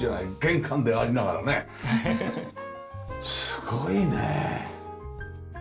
すごいねえ。